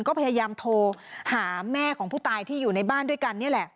ก็พยายามโทรหาแม่ของผู้ตายที่อยู่ในบ้านด้วยกันนี่แหละ